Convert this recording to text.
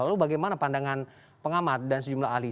lalu bagaimana pandangan pengamat dan sejumlah ahli